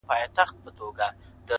• چي مرور نه یم؛ چي در پُخلا سم تاته؛